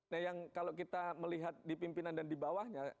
nah yang kalau kita melihat di pimpinan dan di bawahnya